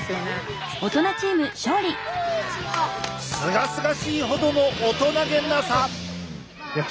すがすがしいほどの大人気なさ！